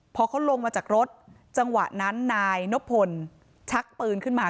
พอเขาลงมาจากรถจังหวะนั้นนายนบพลชักปืนขึ้นมา